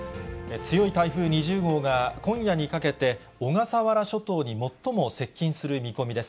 強い台風２０号が今夜にかけて、小笠原諸島に最も接近する見込みです。